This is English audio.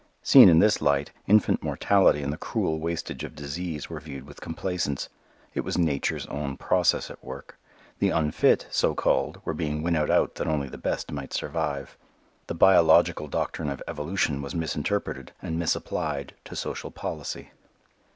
Seen in this light, infant mortality and the cruel wastage of disease were viewed with complacence. It was "Nature's" own process at work. The "unfit," so called, were being winnowed out that only the best might survive. The biological doctrine of evolution was misinterpreted and misapplied to social policy.